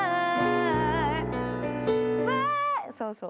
そうそう。